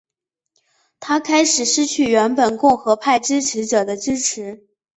他开始失去原本共和派支持者的支持。